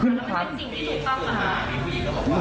ขึ้นไพกิดเผลอ